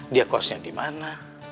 dia kosnya dimana